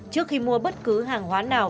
trước khi mua bất cứ hàng hóa nào